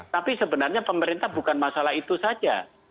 tapi sebenarnya pemerintah bukan masalah itu saja